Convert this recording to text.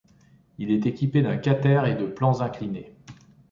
Il est équipé d’un quater et de plans inclinés.